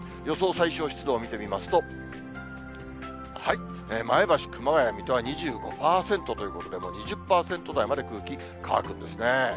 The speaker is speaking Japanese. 最小湿度を見てみますと、前橋、熊谷、水戸は２５％ということで、２０％台まで空気乾くんですね。